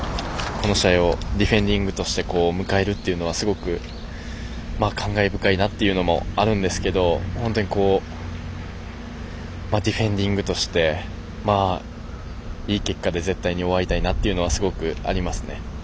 この試合をディフェンディングとして迎えるというのはすごく感慨深いなというのもあるんですけど本当にディフェンディングとしていい結果で絶対に終わりたいなというのは、すごくありますね。